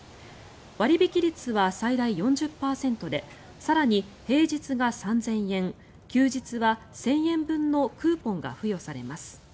割引率は最大４０％で更に平日が３０００円休日は１０００円分のクーポンが付与されます。